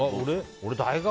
俺、大学。